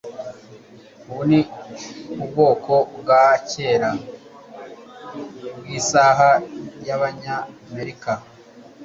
Ubu ni ubwoko bwakera bwisaha yabanyamerika.